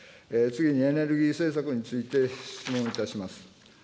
次にエネルギー政策について質問いたします。